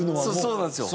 そうなんですよ。